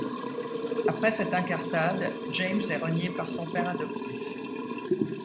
Après cette incartade, James est renié par son père adoptif.